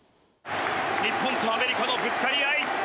日本とアメリカのぶつかり合い。